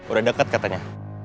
udah deket katanya